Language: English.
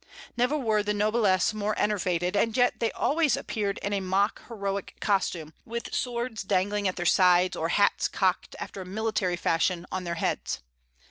Never were the noblesse more enervated; and yet they always appeared in a mock heroic costume, with swords dangling at their sides, or hats cocked after a military fashion on their heads.